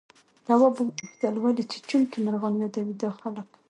تواب وپوښتل ولې چیچونکي مرغان يادوي دا خلک؟